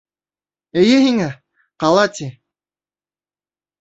— Эйе һиңә, ҡала, ти!